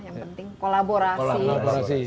yang penting kolaborasi